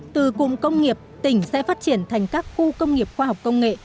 từ cụm công nghiệp tỉnh sẽ phát triển thành các khu công nghiệp khoa học công nghệ